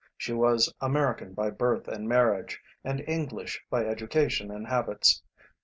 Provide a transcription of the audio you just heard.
She was American by birth and marriage, and English by education and habits.